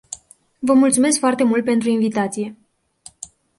Vă mulțumesc foarte mult pentru invitație.